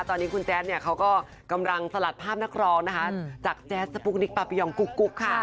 ตอนนี้คุณแจ๊ดเขากำลังสลัดภาพนักรองจากแจ๊ดสปุ๊กนิคปาเปียองกุ๊ก